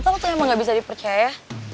ternyata lo tuh emang gak bisa dipercaya